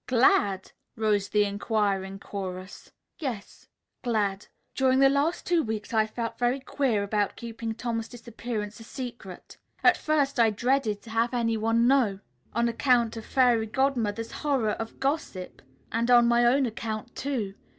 "Glad?" rose the inquiring chorus. "Yes; glad. During the last two weeks I've felt very queer about keeping Tom's disappearance a secret. At first I dreaded to have any one know, on account of Fairy Godmother's horror of gossip and on my own account, too.